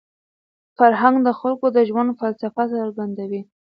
فرهنګ د خلکو د ژوند فلسفه څرګندوي.